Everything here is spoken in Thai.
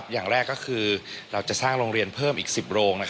อย่างแรกก็คือเราจะสร้างโรงเรียนเพิ่มอีก๑๐โรง